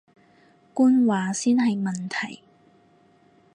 官話先係問題